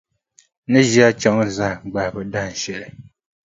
N ni ʒi a chaŋ zahim gbahibu dahinshɛli.